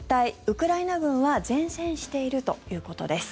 ウクライナ軍は善戦しているということです。